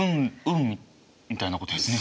運みたいなことですね。